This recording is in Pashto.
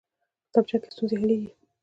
کتابچه کې ستونزې حلېږي